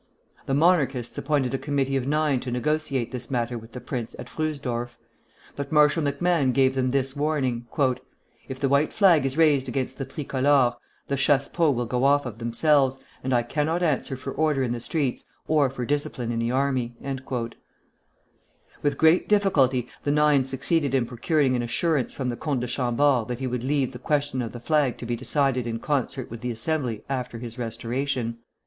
The Monarchists appointed a Committee of Nine to negotiate this matter with the prince at Fröhsdorf; but Marshal MacMahon gave them this warning: "If the White Flag is raised against the Tricolor, the chassepots will go off of themselves, and I cannot answer for order in the streets or for discipline in the army." With great difficulty the nine succeeded in procuring an assurance from the Comte de Chambord that he would leave the question of the flag to be decided in concert with the Assembly after his restoration.